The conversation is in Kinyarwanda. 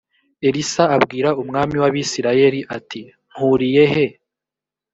elisa abwira umwami w abisirayeli ati mpuriye he